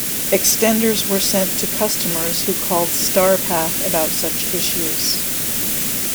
Extenders were sent to customers who called Starpath about such issues.